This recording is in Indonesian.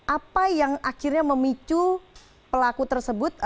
apa yang akhirnya memicu pelaku tersebut